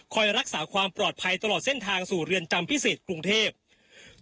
รักษาความปลอดภัยตลอดเส้นทางสู่เรือนจำพิเศษกรุงเทพ